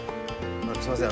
すいません